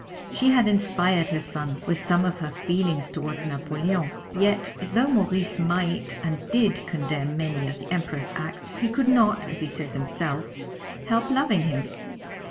She had inspired her son with some of her feelings towards Napoleon; yet, though Maurice might and did condemn many of the Emperor's acts, he could not, as he says himself, help loving him.